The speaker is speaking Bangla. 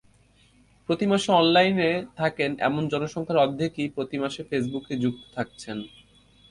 প্রতি মাসে অনলাইনে থাকেন এমন জনসংখ্যার অর্ধেকই প্রতি মাসে ফেসবুকে যুক্ত থাকছেন।